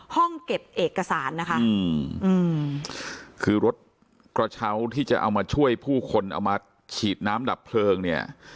ห้องเก็บเอกสารนะคะอืมคือรถกระเช้าที่จะเอามาช่วยผู้คนเอามาฉีดน้ำดับเพลิงเนี่ย